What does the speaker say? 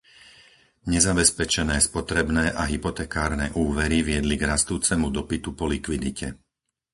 Nezabezpečené spotrebné a hypotekárne úvery viedli k rastúcemu dopytu po likvidite.